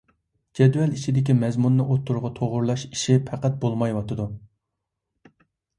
جەدۋەل ئىچىدىكى مەزمۇننى ئوتتۇرىغا توغرىلاش ئىشى پەقەت بولمايۋاتىدۇ.